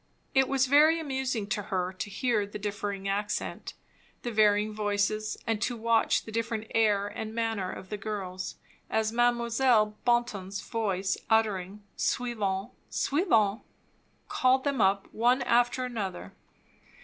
It was very amusing to her to hear the differing accent, the varying voices, and to watch the different air and manner of the girls, as Mme. Bonton's voice, uttering "Suivante" "Suivante" called them up one after another.